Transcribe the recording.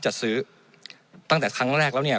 จัดซื้อตั้งแต่ครั้งแรกแล้วเนี่ย